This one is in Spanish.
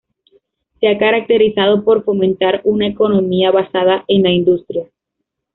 Se ha caracterizado por fomentar una economía basada en la industria.